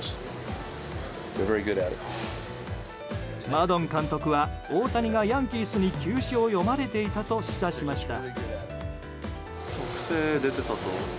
マドン監督は大谷がヤンキースに球種を読まれていたと示唆しました。